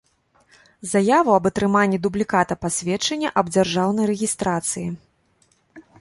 Заяву аб атрыманнi дублiката пасведчання аб дзяржаўнай рэгiстрацыi.